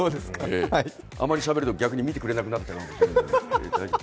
あまりしゃべると、逆に見てくれなくなると困るので。